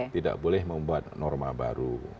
tidak boleh membuat norma baru